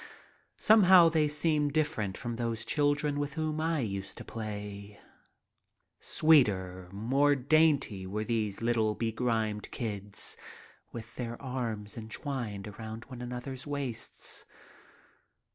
Somehow they seem different from those children with whom I used to play. Sweeter, more dainty were these little, begrimed kids with their arms entwined around one another's waists.